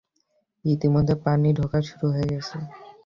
ইতিমধ্যেই পানি ঢোকা শুরু হয়ে গেছে।